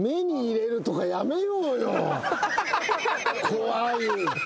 怖い。